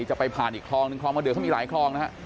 จะไปผ่านอีกคลองหนึ่งคลองมาเดือเขามีหลายคลองนะฮะ